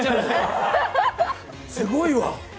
すごいわ。